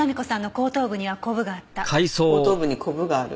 後頭部にこぶがある。